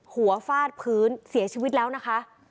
ฟาดพื้นเสียชีวิตแล้วนะคะ